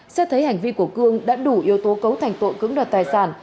xét thấy hành vi của cương đã đủ yếu tố cấu thành tội cứng đoạt tài sản